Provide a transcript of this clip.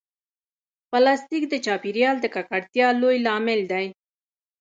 پلاستيک د چاپېریال د ککړتیا لوی لامل دی.